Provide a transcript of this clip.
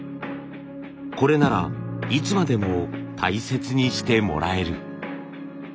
これならいつまでも大切にしてもらえる。